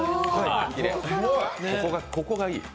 ここがいい。